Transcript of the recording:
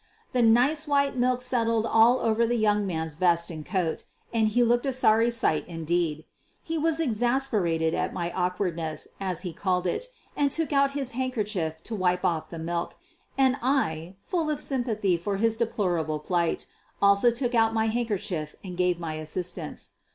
The nice white milk settled all over the young man's vest and coat, and he looked a sorry sight indeed. He was exasperated at my awkwardness, as he called it, and took out his handkerchief to wipe off the milk, and I, full of sympathy for his de plorable plight, also took out my handkerchief and gave my assistance.